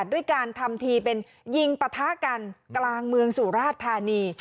ด้วยการทำทีเป็นยิงปะทะกันกลางเมืองสุราชธานี